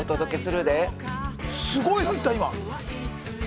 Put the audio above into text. すごいのいた今。